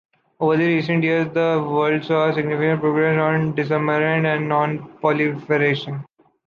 Over the recent years, the world saw a significant progress on disarmament and non-proliferation.